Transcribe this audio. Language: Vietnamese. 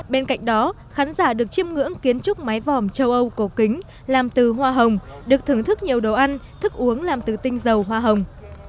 bên cạnh đó khán giả được chiêm ngưỡng kiến trúc mái vòm châu âu cổ kính làm từ hoa hồng được thưởng thức nhiều đồ ăn thức uống làm từ tinh dầu hoa hồng